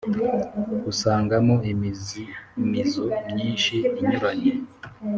usangamo imizimizo myinshi inyuranye.